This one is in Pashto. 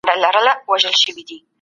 ایا په هېواد کي ازاد فکر شته؟